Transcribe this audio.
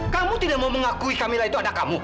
kamu tidak mau mengakui kamila itu anak kamu